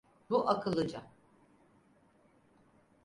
Bu akıllıca.